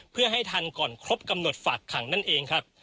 เพื่อให้ทันก่อนครบกำหนดฝากขังนั่นเองครับ